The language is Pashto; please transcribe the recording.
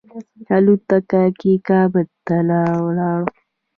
الوتکه کې کابل ته ولاړم.